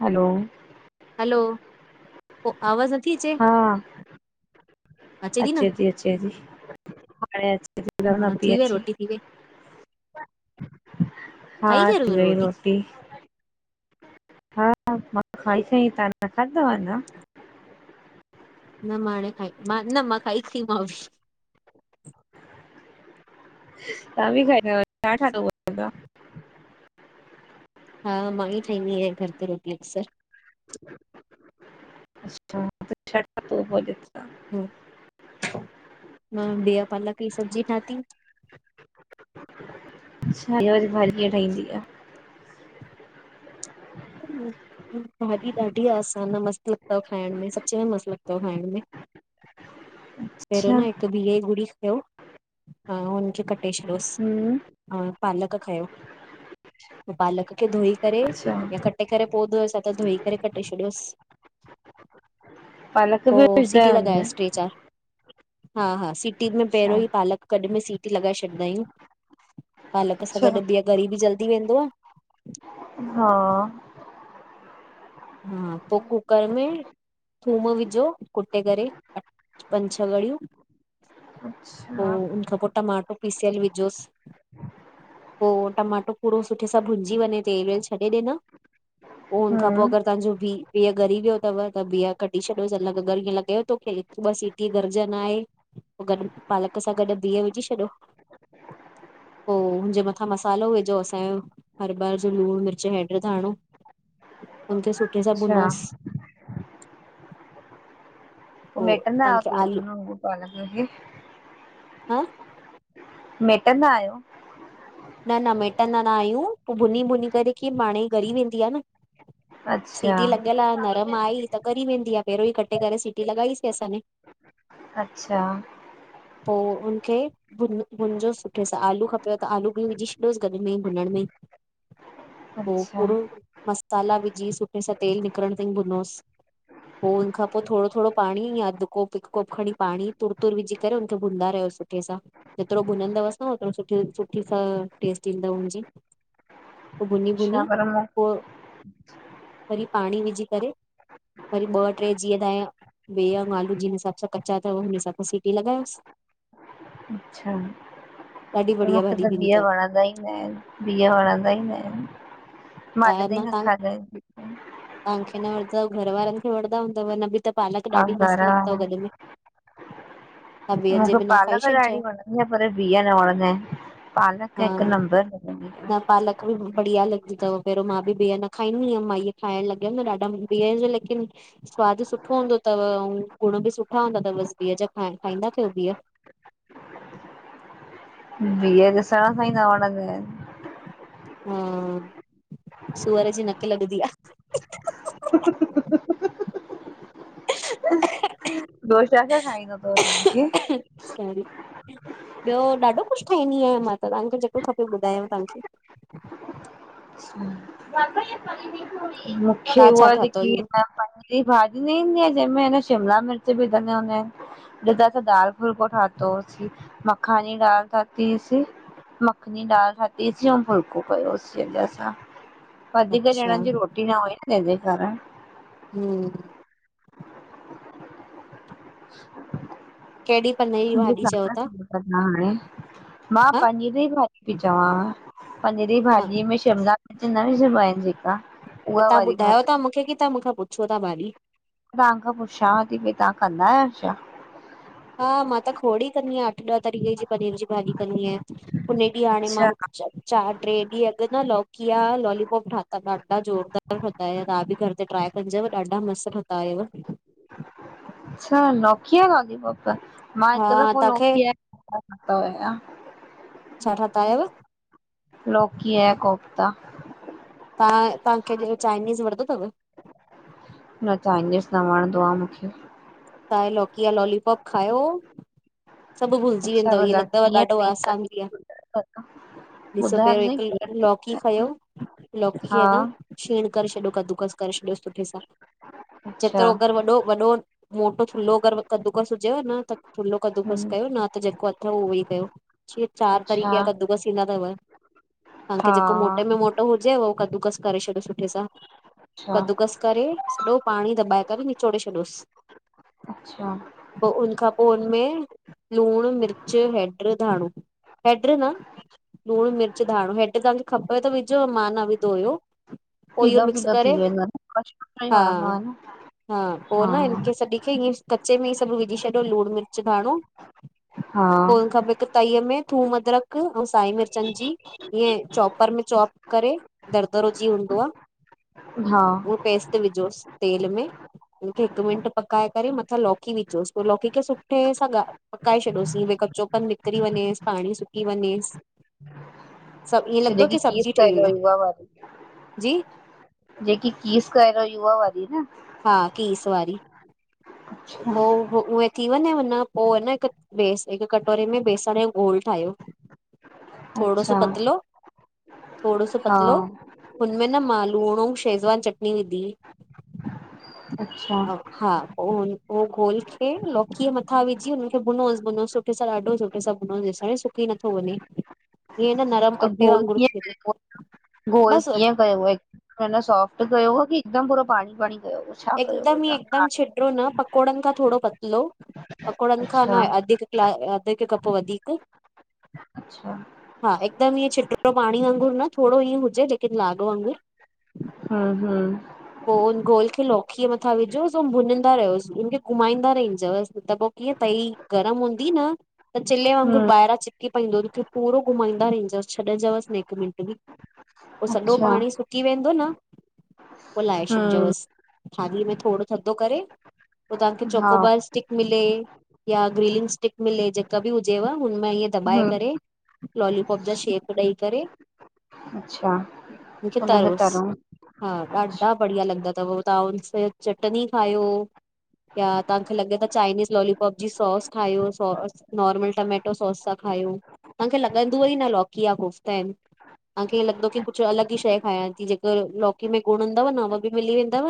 हलो hello, आवाज़ न थी अचे? हा अचे थी न, हाणे अचे थी न हा पई थी वई अचे रोटी थी वय? [inaudible] हा थी वई रोटी। हा मां खाई वयी, तव्हां न खादी अञां? न म हाणे खाई न मां खाई उथियुम तव्हां बि खादव छा ठायव? हा मां ई ठाहींदी आहियां घर ते रोटी अक्सर। [unintelligible] हा, मां बीह पालक जी सब्जी थाति। अच्छा, इहा भाॼीअ कीअं ठहंदी आ? भाॼी ॾाढी आसान आ, मस्त लॻंदव खाइण में सच में मस्त लॻंदव खाइण में। पहिरियों अच्छा न हिकु बीह जी गुड़ी खणो [unintelligible] हां हुनखे कटे छॾियोसि, हम्म हां पालक खयों। पालक खे धोई करे अच्छा या कटे करे पोइ धोओसि सां त धोई करे कटे शॾियोसि। पालक बि पोइ विझंदा आहियो सिटीयूं हुनमें? लॻायोसि टे चारि हा हा सीटी में पहिरियों अच्छा ई पालक गॾु में सिटी लॻाए छॾींदा आहियूं। पालक सां अच्छा गॾु बीह ॻरी बि जल्दी वेंदुव। हा हा पोइ कूकर में थूम विझो कुटे करे, पंज छह ॻड़ियूं अच्छा पोइ हुन खां पोइ टमाटो पीसियल विझोसि। पोइ टमाटो पूरो सुठे सां भुञजी वञे तेलु वेलु छॾे ॾे न पो उन खां हम्म तव्हांजो बीह ॻरी वियो अथव त बीह कढी छॾियोसि न ॻरियल लॻेव त हिकु- ॿ टी घुरज न आहे। पोइ गॾु पालक सां गॾु बीह विझी छॾियो पोइ हुन्जे मथां मसालो विझो असांजो हरु बारु जो लूणु मिर्च हेड धाणो हुनखे सुठे सां अच्छा भुञोसि पोइ मेहिटंदा तव्हांखे आहियो, आलू हुन वांगुरि पालक खे? हां मेहिटंदा आहियो? न न मेहिटंदा न आहियूं, पोइ भुञी भुञी करे पाणे ई ॻरी वेंदी आहे न। अच्छा सीटी लॻियल आहे न। त म आई त ॻरी वेंदी आहे, पहिरियों ई कटे करे सीटी लॻाईसीं असां ने। अच्छा पोइ हुनखे भुञजो सुठे सां आलू खपेव त आलू बीह विझी छॾोसि गॾु में ई भुञण में पोइ अच्छा पूरो मसाला विझी सुठे सां तेलु निकरणु ताईं भुञोसि पोइ हुनखां पोइ थोरो थोरो पाणी या अधि कोप हिकु कोप खणी पाणी तुर- तुर विझी करे हुनखे भुञंदा रहोसि। सुठे सां जेतिरो भुञंदवसि न उहो ओतिरो सुठी सुठी टेस्ट ईंदव मुंहिंजी पोइ भुञी भूञी अच्छा पर मूं पोइ वरी पाणी विझी करे वरी ॿ टे जीअं त बीह ऐं आलू जिन हिसाब सां कचा अथव हुन हिसाब सां सीटी लॻायोसि। अच्छा ॾाढी त बढ़िया मूंखे भाॼी त थींदी बीह अथव वणंदा खादाई न आहिनि, बीह वणंदा ई न आहिनि, मां कॾहिं न खादा‌ ई आहिनि। तव्हां खे न वणदव घर वारनि खे वणदा हूंदव न बि त पालक ॾाढी ॻाढ़ा वारा मस्तु लॻंदव गॾ में। तव्हां बिहनि उहो जे जो बिना खाई पालक छॾिजो ॾाढी वणंदी [unintelligible] मूंखे पर बीह न वणंदा आहिनि। पालक हा हिकु नंबर न आहे पालक बि बढ़िया लॻी अथव। पहिरीं मां बीह न खाईंदी हुअमि, मां इहे ठाइण लॻियमि न ॾाढा बीह जो लेकिन सवादु सुठो हूंदो अथव ऐं गुण बि सुठा हूंदा अथव बसि बीह जा। खा खाईंदा कयो बीह। बीह ॾिसण में सां ई न वणंदा आहिनि। हुं, सूअर जी नक लॻदी आह। [unintelligible] ॿियो छा- छा ठाइण ईंदो अथव तव्हांखे? आहे सॉरी ॿियो ॾाढो कुझु ठाहींदी आहियां मां त तव्हांखे जेको खपे ॿुधायांव तव्हांखे। हम्म [unintelligible] [unintelligible] मूंखे तव्हां छा उहा ठातो जेकी लिखी इहो? पांजी। हे भाॼी न ईंदी आहे जहिंमें शिमला मिर्च विधल हूंदा आहिनि। असां त दाल फुलको ठातो होसीं, मखानी दाल ठातीहुईसिं मखनी दाल खाधीसीं अऊं फुलको कयोसीं अॼु असां। वधीक अच्छा ॼणनि जी रोटी न हुई न तेंजे कारण हम्म। कहिड़ी पनीर जी [unintelligible] भाॼी छा चओ था? कंदा हाणे मां हा पनीर जी भाॼी ती चवांव पनीर जी हा भाॼी में शिमला अॼु नईं सुभायईं जेका त उहा तां वारी ॿुधायो भाॼी ता कि मुखे की मूंखां पुछो था भाॼी? तांखां पुछांव थी भई तां कंदा आहियो छा? हा मां त खोड़ ई कंदी आहियां अठ ॾह तरीक़े जी पनीर जी भाॼी कंदी आहियां, उन ॾींहुं हाणे अच्छा मां चारि टे ॾींहं अॻु न लौकिया लॉलीपॉप ठाता, ॾाढा ज़ोरदार ठहंदाया तवां बि घर ते ट्राय मुंजा बि ॾाढा मस्तु ठवंदा अयव। त लौकीय जा लॉलीपॉप मां हा हिकु दफ़ो तव्हांखे लौकीय [unintelligible] खादा हुया। छा ठातायव? लौकीया जा कोफ्ता तां तांखे चाइनीज़ वणंदो तव? न, चाइनीज़ न वणंदो आ मुखे। ताए लौकीया लॉलीपॉप खायो, सभु भुलिजी अच्छा वेंदव ईअं भला लॻंदव कीअं ॾाढो ठाहींदा आसानु थिया। आहियो? ॾिसो ॿुधायो पहिरियो त सही कीअं हिकु लौकी ठाहींदा खंयो, आहियो? लौकी खे हा न छीण करे छॾियो कद्दूकस करे छॾियोस सुठे सां, अच्छा जेतिरो घर वॾो वॾो मोटो थुल्हो अगरि कदूकस हुजेव न, त थुल्हो कदूकस हम्म कयो न त जेको अथव उहो ई कयो। जिअं चार अच्छा तरीके जा कद्दूगस इंॾा तव तव्हांखे हा जेको मोटे में मोटो हुजे उहो कद्दूकस करे छॾियो सुठे सां, अच्छा कद्दुकस करे सॼो पाणी दॿाए करे निचोड़े छॾियोसि। अच्छा। पो हुन खां पोइ हुन में लुणु, मिर्च हेड्र, धाणो। हैड्र न? लूण, मिर्च, धाणो, हेड्र तांखे खपेव त विझो, मां न विधो हुयो। पोइ इहो पीलो मिक्स पीलो करे, थी वेंदो आ न कच्चो कच्चो ई हा, वणंदो आ न हा पोइ न हिन तॾिखां ईअं कच्चे मेई सब विझी सॾियो लूण, मिर्च, धाणो हा पोइ उन खां बि हिक तईअ में थुम अदरक ऐं साई मिर्चनि जी ईअं चॉपर में चॉप करे, दरदरो जीअं हूंदो आ। हा उहो पेस्ट विझोस तेल में, उनखे हिक मिन्ट पकाए करे मथां लौ लौकी विझोसि पो लौकी खे सुठे सां पकाए छॾोसि, ईयं कचोपन निकिरी वञेस पाणी सुक की वञेस छॾकी कीज़ सब्जी ठही पयल वई आ हुई उहा वारी जी जेकी कीज़ करे, युवा वारी न? हा कीज़ वारी, अच्छा पो उहे थी वञेन पोइ आञा न हिक बेस हिक कटोरे में बेसण जो घोल ठाहियो। थोडो सो अच्छा पतलो? थोडो सो पतलो, हा हुनमें न मां लूण अऊं शेज़वान चटनी विधी। अच्छा हा पो उन घोल खे लोकीअ य मथां विझी हुन खे भूनोस-भूनोस ॾाढो सुठे सां भूनोस जेस ताणी सुकी नथो वञे। ईय न [unintelligible] त घोल वांगुरु किय थी वञे कयुव [unintelligible] गोल बसि कीअं कयुव अञा सोफ्ट कयोव की हिकदम पूरो पाणी-पाणी कयुव? एकदम ई एकदम छिट्रों न, पकोड़नि खां थोरो पतलो। पकोड़नि खां न अच्छा अध क्लास [unintelligible] अध हिकु कप वधीक अच्छा। हा एकदमि ईअं छिट्रों पाणी वांगुरु न, थोरो ईअं हुजे लेकिन लाॻ वांगुरु। हम्म-हम्म पो हुन घोल खे लौकीअ मथां विझोसि अउ भुञंदा रहियोसि हुनखे घुमाईंदा रहंदजसि त पो कीअं तई गरम हूंदी न त चिल्ले वांगुर हम ॿाहिरां चिपकी पईंदो तोखे पूरो घुमाईंदा रहजोसि छॾजोसि न हिक मिनंट बि। पो सॼो अच्छा पाणी सुकी वेंदो न पो लाहे छॾिजो हम बस थाली में थोरो थधो करे पो तव्हांखे हा चोको बस स्टिक मिले या ग्रीन स्टिक मिले जेका बि हुजेव हुनम हम दॿाए करे लॉलीपॉप जा शेप ॾेई करे अच्छा उनखे हुनखे तरोस, तरूं हा। अच्छा, ॾाढा बढ़िया लॻंदा तव तव्हां उन सां चटनी खायो या तव्हांखे लॻे त चाइनीज़ लॉलीपॉप जी सॉस ठाहियो सॉस नार्मल टमेट टमाटर सॉस सां खायों तव्हांखे लॻंदुवई न लौकी या कोफ्ता आहिनि। तव्हांखे लॻंदो की कुछ अलॻि ही शइ खाया थी, जेके लॉकी में गुण हंदव न उह बि मिली वेंदव।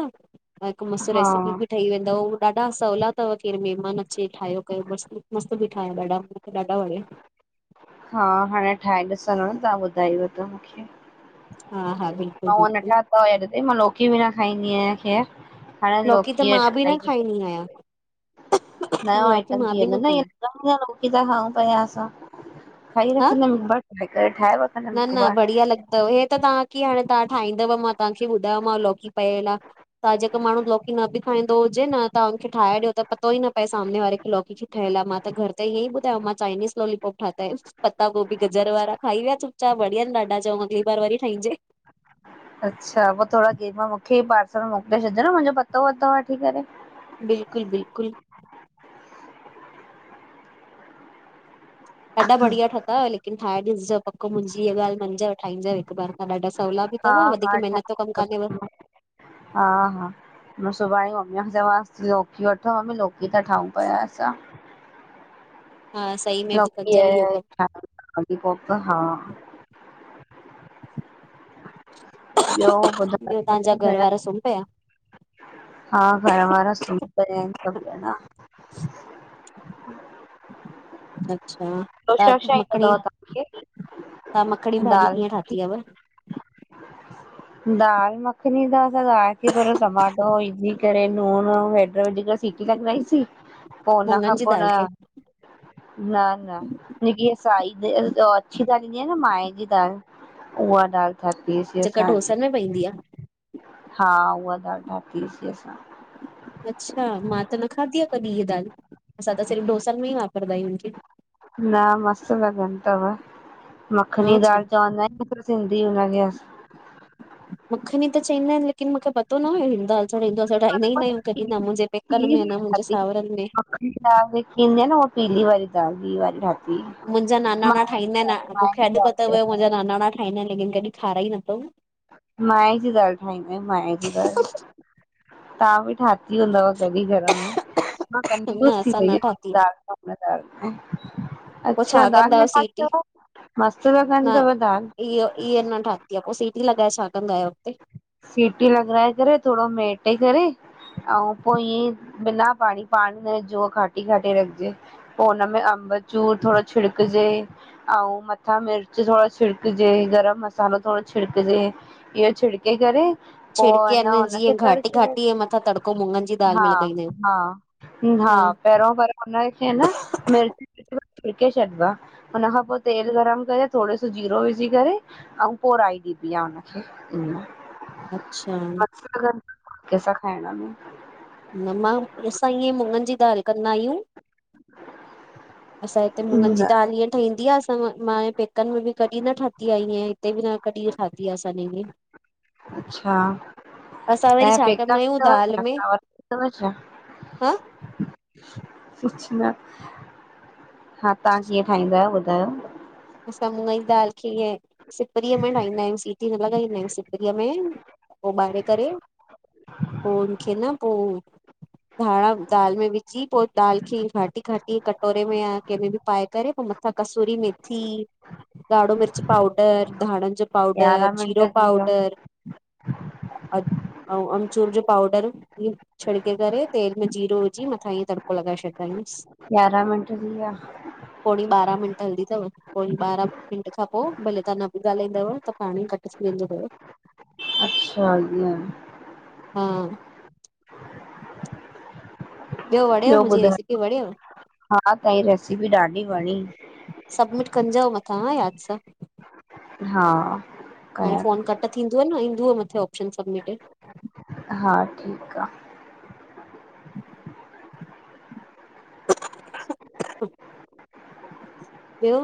त हिक मस्तु हा रेसिपी बि ठही वेंदव उ ॾाढा सवला तव केरु महिमान अचे ठाहियो कयो मस्त। मस्तु बीठाहि ॾाढा, ॾाढा वणया। हा हाणे ठाहे ॾिसंदम, तव्हां ॿुधायव त मूंखे। हा हा बिल्कुल मां उअं न बिल्कुल। ठाता हुया अॼु ताईं, मां लोकी बि न खाईंदी आहियां खैर, हाणे लौकी त लोकीअ मां जा ठाइंदमि। [unintelligible] नयो लौकी आइटम मां थी बि वेंदो न खाईंदी लॻंदो न कि लोकी था खाऊं पिया असां खाई हा रखंदम [inaudible] न न बढ़िया लॻंदव, हे त तव्हां की हाणे तव्हां ठाहींदव मां तव्हांखे ॿुधायोमांव लौकी पयल आ। तव्हां जेको माण्हू लौकी न बि खाईंदो हुजे न तव्हां हुनखे ठाहे ॾियो त पतो ई न पए सामने वारे खे लॉकी ठहियल आ मां त घर ते ईअं ई ॿुधायो मां चाइनीज़ लॉलीपॉप ठाता इन पत्ता गोभी, गजर वारा खाई विया चुप - त वढञन ॾाढा, चऊं अॻली बार वरी ठाहीजे। अच्छा पो थोरा गेम मूंखे भी पार्सल मोकिले छॾिजो न मांजो पतो वतो वठी करे। बिल्कुल बिल्कुल। ॾाढा बढिया ठताव लेकिन ठाए ॾिसजो पक मुंहिंजीअ हिअं ॻाल्हि मंञजो ठाहिजो हिकु बार खां ॾाढा- सवला बि हा तव हा वधीक महिनत जो कम ठाहे कानेव। हा हा मां सुभाणे ही मम्मी खे चवास थी लो वठो मम्मी लौकी था ठायूं पिया असां। हा सही में बि लौकी कंजव इहो कम ॿियो ॿियो ॿुधायो तव्हांजा घर [unintelligible] वारा सुम पया? हा, घर वारा, सुम पया आहिन, सॿ जणा। [inaudible] अच्छा! ॿियो छा त छा ईंदो मखड़ी, अथव तव्हांखे तव्हां मखड़ी, भाॼी दाल कीअं मखनी ठाही-? आहेव [unintelligible] दाल मखनी, त असां दाल, टमाटो, विझि करे लून हैड विझी, करे सिटी लॻाईसीं, पोइ मुङनि हुनखां जी पोइ, न दाल खे न न जेकी, साई अछी दाल ईंदी आहे, न माए, जी दाल उहा दाल, ठातीअस। जेका, ढोसनि में पवंदी आ,? हा उहा, दाल, ठातिसे असां अच्छा! मां त न खाधी आहे, कॾहिं इअ दाल, असां त सिर्फ़ु डोसनि, में ई वापरंदा आहियूंखे। न, मस्तु, लॻनददी तव मखणी हा छा दाल, चवंदा ई, सिंधी दाल, हुन खे मखणी, त चवंदा आहिनि, लेकिन, मूंखे पतो न हुयो, हि दाल चढ़ी, दोसा ठाईंदो ई ना आहियूं, कॾहिं, न मुंहिंजे पेकनि में न मुंहिंजे सावरनि, में दाल, मखनी जेकीं ईदी आहे, न उ पीली, वारी ी वारी ठी मुंहिंजा म [inaudible] नानाणा ठाहींदा खाईंदा आइन, लेकिन कॾहिं ठाराई, न अथऊँ। माए, जी दाल ठाहींदा आयूं, माए जी दाल, तां बि ठाती, हूंदव कॾहिं घर, में मां न कंफ्यूस, थी असां वई न ठाती आ, आहियाँ, पो अच्छा छा दाल कंदा न आहियो ठाई सीटी? तव, मस्तु लगनि तव दाल, इआ, न थाति आहे, पोइ सीटी लॻाए, छा कंदो आहियो, हुते सीटी लॻाए, करे थोरो मेटे, करे ऐं पोइ, ईअं बिना पाणी, पाणी न विज्जे, घाटी घाटी, रखजे पोइ, ऊन में अंबचूर, थोरो छिड़किजे, ऐं, मथां मिर्च थोरो छिड़कजे, गरम मसालो थोरो छिड़कजे, इहो छिड़क छिड़के, करे पोइ, छिड़के अने इन खे जीअं घाटी तड़को, घाटी जे मथां तड़को मुङनि जी दाल हा में लॻाईंदा आहियूं। हा हा, पहिरियों, पर हुन खे न मिर्च, [unintelligible] छॾिबो आहे। हुन खां पोइ, तेल गरम करे, थोरो सो जीरो विझी, करे ऐं, पोई राई, ॾिबी आहे, हुनखे अच्छा, [unintelligible] कहिंसा खाइण में [unintelligible] असां, इएं मुगन, जी दाल कंदा आहियूं। असां जे हिते, मुगनि जी न, दाल, इअं ठहींदी आहे। मां, पेकनि में बि कॾहिं न ठाही, आहे हिते बि न कॾहिं ठाही आहे, असां अच्छा असां वरी तव्हां जा छा पेका कंदा [unintelligible] आहियूं दाल में हा [unintelligible] हा, तव्हां कीअं ठाहींदा, आहियो ॿुधायो, असां मुगन जी दाल, खे ईअ सिपरीअ, में ठाहींदा, आहियूं सिटी लॻाईंदा आहियूं, सिपरी में पोइ उॿारे, करे पोइ हुनखे, न पोइ [inaudible] धाणा दालि, में विझी, पोइ दालि खे घाटी घाटी, कटोरे में या कंहिंमें बि पाए, करे पोइ कसूरी मेथी, ॻाढ़ो मिर्च पाउडर, धाणनि जो पाउडर, यारहं पाउडर, मिंट जीरो थी विया पाउडर, ऐं, अमचूर जो पाउडर, बि छिड़के करे तेल में जीरो विझी मथां ईअं तड़को लॻाए छॾाईंदस। यारहं मिंट थी विया। पोणी ॿारहां मिंट हलदी तव। पोणी ॿारहं मिंट खां पो भले तव्हां न बि ॻाल्हाईंदव त पाण ई कट थी वेंदो तव। अच्छा ईंअ। हा ॿियो वणयव मुंजी रेसिपी वणियव। हा तहांजी रेसिपी ॾाढी वणी। सबमिट कंजो मथां हा याद सां। हा हाणे कयां फोन थी कट थींदुव न इंदुव मथे ऑप्शन सबमिटिड। हा ठीक आ। [inaudible] ॿियो